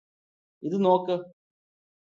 ഇത് നോക്ക്